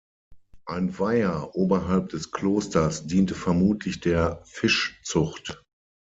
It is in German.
Ein Weiher oberhalb des Klosters diente vermutlich der Fischzucht.